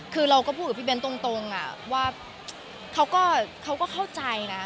คือเราก็พูดกับพี่เบ้นตรงว่าเขาก็เข้าใจนะ